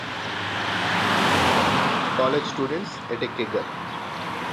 College students at a kegger.